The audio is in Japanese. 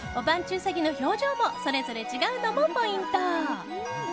うさぎの表情もそれぞれ違うのもポイント。